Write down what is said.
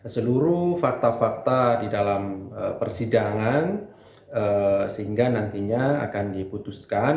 seluruh fakta fakta di dalam persidangan sehingga nantinya akan diputuskan